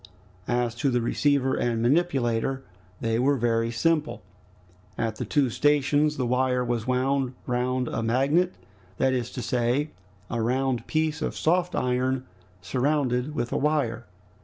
As to the receiver and manipulator, they were very simple. At the two stations the wire was wound round a magnet, that is to say, round a piece of soft iron surrounded with a wire.